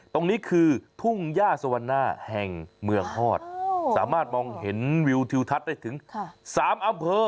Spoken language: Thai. ตรงนี้คือทุ่งย่าสวรรณาแห่งเมืองฮอดสามารถมองเห็นวิวทิวทัศน์ได้ถึง๓อำเภอ